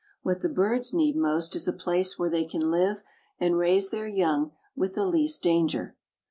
What the birds need most is a place where they can live and raise their young with the least danger.